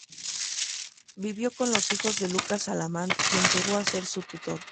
Vivió con los hijos de Lucas Alamán, quien llegó a ser su tutor.